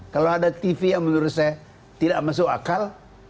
kalau ada tv yang menurut saya tidak masuk akal